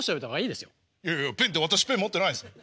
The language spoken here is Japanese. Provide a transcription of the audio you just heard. いやいやペンって私ペン持ってないですよ。